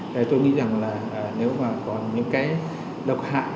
thế tôi nghĩ rằng là nếu mà còn những cái độc hại